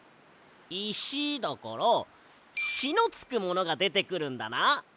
いしだから「し」のつくものがでてくるんだな。